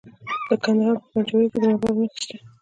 د کندهار په پنجوايي کې د مرمرو نښې شته.